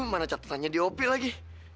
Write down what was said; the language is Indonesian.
mana catatannya di hop lagi